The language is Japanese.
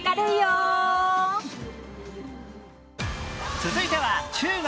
続いては中国。